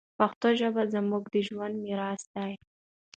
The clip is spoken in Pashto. پښتو ژبه زموږ د ژوند مسیر دی.